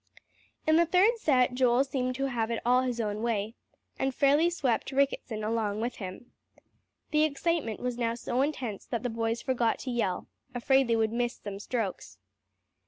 In the third set, Joel seemed to have it all his own way, and fairly swept Ricketson along with him. The excitement was now so intense that the boys forgot to yell, afraid they would miss some strokes.